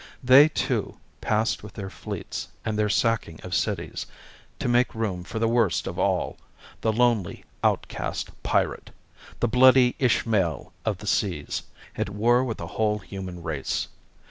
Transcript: They, too, passed with their fleets and their sacking of cities, to make room for the worst of all, the lonely outcast pirate, the bloody Ishmael of the seas, at war with the whole human race.